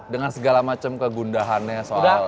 dengan segala macam kegundahannya soal